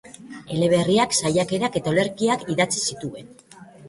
Eleberriak, saiakerak eta olerkiak idatzi zituen.